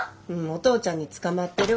お父ちゃんに捕まってるわ。